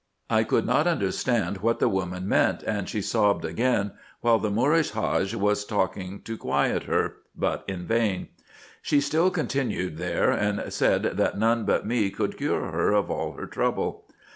I could not understand what the woman meant, and she sobbed again, while the Moorish Hadge was talking to quiet her, but in vain. She still continued there, and said, that none but me could cure her of all her trouble.